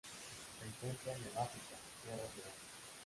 Se encuentran en África: Sierra Leona.